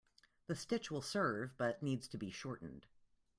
The stitch will serve but needs to be shortened.